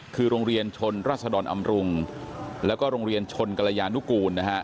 คือโรงเรียนชนรัศดรอำรุงแล้วก็โรงเรียนชนกรยานุกูลนะฮะ